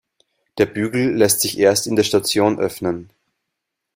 Der Bügel lässt sich erst in der Station öffnen.